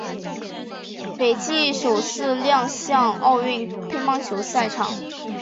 斐济首次亮相奥运乒乓球赛场。